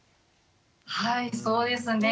はいそうですね。